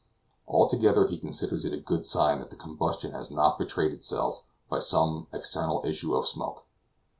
Altogether, he considers it a good sign that the combustion has not betrayed itself by some external issue of smoke.